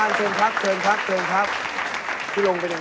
อ่าอ่าอ่า